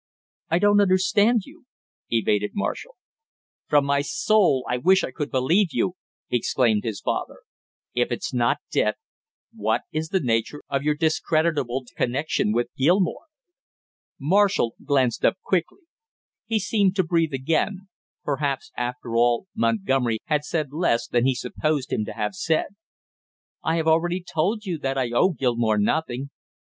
"I don't understand you " evaded Marshall. "From my soul I wish I could believe you!" exclaimed his father. "If it's not debt, what is the nature of your discreditable connection with Gilmore?" Marshall glanced up quickly; he seemed to breathe again; perhaps after all Montgomery had said less than he supposed him to have said! "I have already told you that I owe Gilmore nothing!"